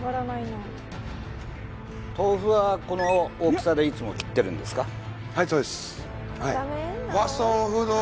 豆腐はこの大きさでいつも切ってるんですか？